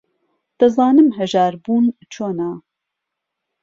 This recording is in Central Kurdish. دەزانم ھەژار بوون چۆنە.